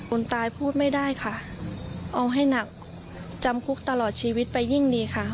คนตายพูดไม่ได้ค่ะเอาให้หนักจำคุกตลอดชีวิตไปยิ่งดีค่ะ